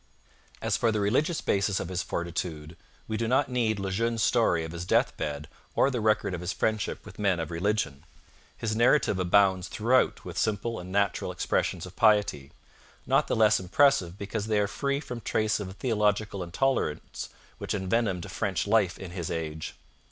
As for the religious basis of his fortitude, we do not need Le Jeune's story of his death bed or the record of his friendship with men of religion. His narrative abounds throughout with simple and natural expressions of piety, not the less impressive because they are free from trace of the theological intolerance which envenomed French life in his age.